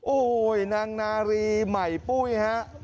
โอ้โหนางนารีใหม่ปุ้ยฮะ